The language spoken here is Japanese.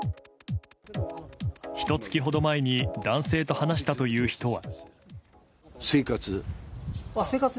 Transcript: ひと月ほど前に男性と話したという人は。